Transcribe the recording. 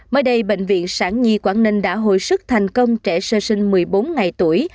mới đây bệnh viện sản nhi quảng ninh đã hồi sức thành công trẻ sơ sinh một mươi bốn ngày tuổi